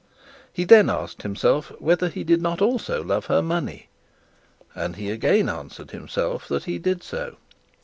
He then asked himself whether he did not also love her money; and he again answered himself that he did so.